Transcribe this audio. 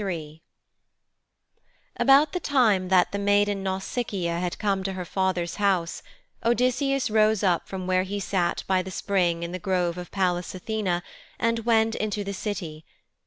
III About the time that the maiden Nausicaa had come to her father's house, Odysseus rose up from where he sat by the spring in the grove of Pallas Athene and went into the City.